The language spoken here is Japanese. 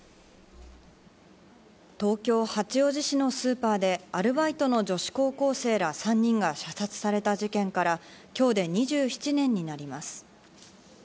東京・八王子市のスーパーでアルバイトの女子高校生ら３人が射殺された事件から今日で２７年になります。